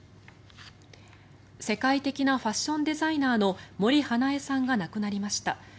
世界的なファッションデザイナーの森英恵さんが亡くなりました。